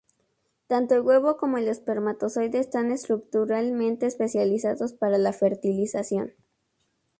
Tanto el huevo como el espermatozoide están estructuralmente especializados para la fertilización.